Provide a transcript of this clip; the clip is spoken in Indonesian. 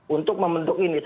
untuk membentuk ini